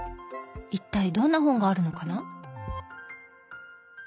一体どんな本があるのかな？